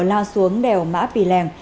lao xuống đèo mã pì lèng